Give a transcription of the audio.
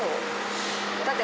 だって